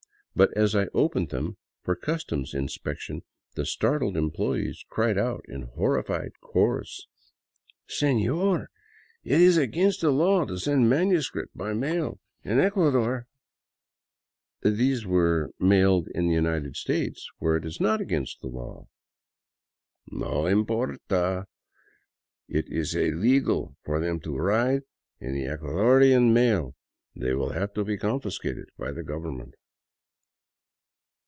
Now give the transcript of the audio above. But as I opened them for cus toms inspection, the startled employees cried out in horrified chorus :" Sefior, it is against the law to send manuscript by mail in Ecua dor!" 120 VAGABONDING DOWN THE ANDES " These were mailed in the United States, where it is not against the law.'* "No importa! It is illegal for them to ride in the Ecuadorian mails. They will have to be confiscated by the government."